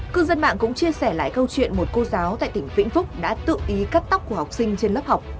cư dân mạng cũng chia sẻ lại câu chuyện một cô giáo tại tỉnh vĩnh phúc đã tự ý cắt tóc của học sinh trên lớp học